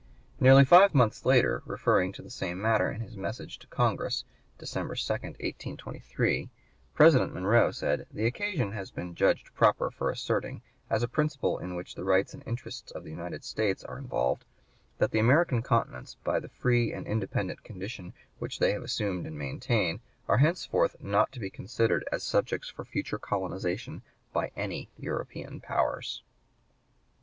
Nearly five months later, referring to the same matter in his message to Congress, December 2, 1823, President Monroe said: "The occasion has been judged proper for asserting, as a principle in which the rights and interests of the United States are involved, that the American continents, by the free and independent condition which they have assumed and maintain, are henceforth not to be considered as subjects for future colonization by any European powers."